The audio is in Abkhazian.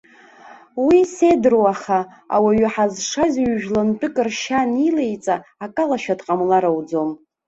Уи сеидроу аха, ауаҩы ҳазшаз ҩ-жәлантәык ршьа анилеиҵа акалашәа дҟамлар ауӡом.